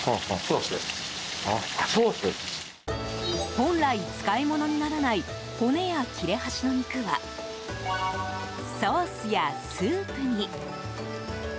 本来、使い物にならない骨や切れ端の肉はソースやスープに。